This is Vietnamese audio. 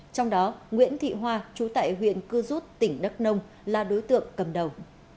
trong đó nguyễn thị hoa chú tại huyện cư rút tỉnh đắk nông là đối tượng cầm đầu